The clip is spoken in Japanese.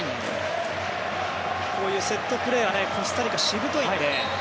こういうセットプレーはコスタリカ、しぶといので。